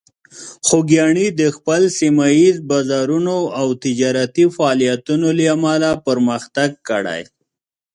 خوږیاڼي د خپل سیمه ییز بازارونو او تجارتي فعالیتونو له امله پرمختګ کړی.